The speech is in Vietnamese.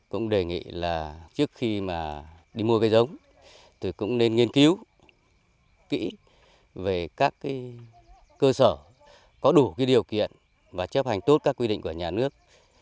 cũng đề nghị là trước khi mà đi mua cây giống tôi cũng nên nghiên cứu kỹ về các cơ sở có đủ cái điều kiện và chấp hành tốt các quy định của nhà nước